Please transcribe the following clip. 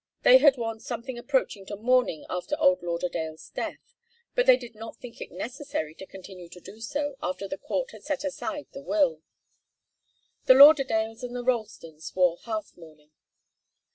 They had worn something approaching to mourning after old Lauderdale's death, but they did not think it necessary to continue to do so after the court had set aside the will. The Lauderdales and the Ralstons wore half mourning.